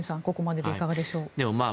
ここまででいかがでしょう。